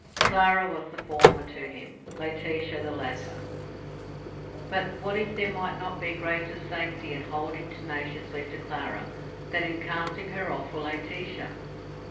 Clara was the former to him, Laetitia the latter. But what if there might not be greater safety in holding tenaciously to Clara than in casting her off for Laetitia?